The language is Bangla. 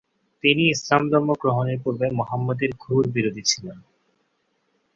তিনি ইসলাম ধর্ম গ্রহণের পূর্বে মুহাম্মদের ঘোর বিরোধী ছিলেন।